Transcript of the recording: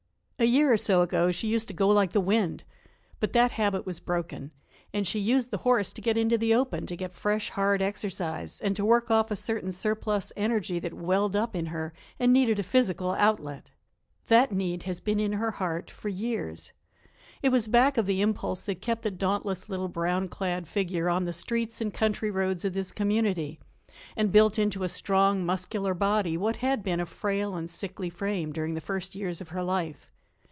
A year or so ago she used to go like the wind. But that habit was broken, and she used the horse to get into the open to get fresh, hard exercise, and to work off a certain surplus energy that welled up in her and needed a physical outlet. That need has been in her heart for years. It was back of the impulse that kept the dauntless, little brown clad figure on the streets and country roads of this community and built into a strong, muscular body what had been a frail and sickly frame during the first years of her life.